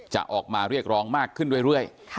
จะออกมาเรียกร้องมากขึ้นเรื่อย